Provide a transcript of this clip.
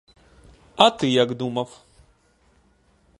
А ти як думав?